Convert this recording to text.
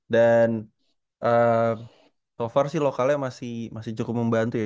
dan eh so far sih lokalnya masih masih cukup membantu ya